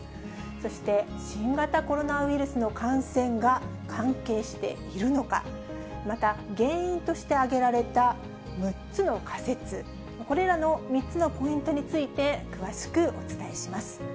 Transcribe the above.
そして、新型コロナウイルスの感染が関係しているのか、また原因として挙げられた６つの仮説、これらの３つのポイントについて、詳しくお伝えします。